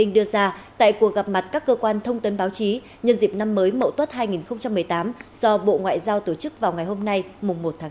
đưa ra tại cuộc gặp mặt các cơ quan thông tấn báo chí nhân dịp năm mới mậu tuất hai nghìn một mươi tám do bộ ngoại giao tổ chức vào ngày hôm nay mùng một tháng tám